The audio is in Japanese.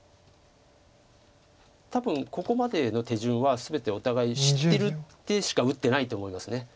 多分ここまでの手順は全てお互い知ってる手しか打ってないと思います。